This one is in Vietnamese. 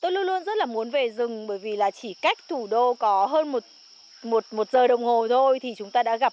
tôi luôn luôn rất là muốn về rừng bởi vì là chỉ cách thủ đô có hơn một giờ đồng hồ thôi thì chúng ta đã gặp